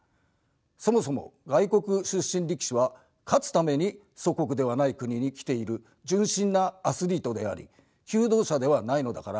そもそも外国出身力士は勝つために祖国ではない国に来ている純真なアスリートであり求道者ではないのだから。